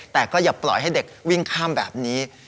แต่ก็อย่าปล่อยให้เด็กวิ่งข้ามแบบนี้